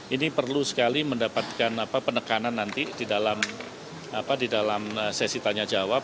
ini perlu sekali mendapatkan penekanan nanti di dalam sesi tanya jawab